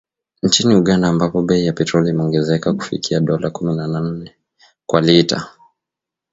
Nchini Uganda ambapo bei ya petroli imeongezeka kufikia dola kumi na nne kwa lita